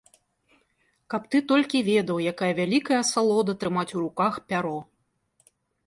Каб ты толькі ведаў, якая вялікая асалода трымаць у руках пяро.